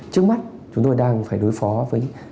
trước mắt chúng tôi đang phải đối phó với